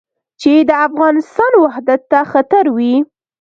چې د افغانستان وحدت ته خطر وي.